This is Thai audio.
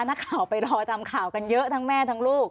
นักข่าวไปรอทำข่าวกันเยอะทั้งแม่ทั้งลูก